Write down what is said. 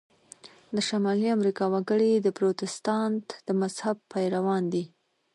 د شمالي امریکا وګړي د پروتستانت د مذهب پیروان دي.